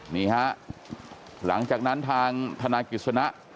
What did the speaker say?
นี่ฮะหลังจากนั้นทางธนายกิจสนะ